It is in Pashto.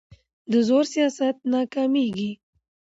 د زور سیاست ناکامېږي